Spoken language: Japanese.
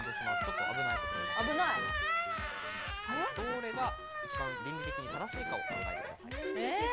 どこを通ればれ一番倫理的に正しいかを考えてください。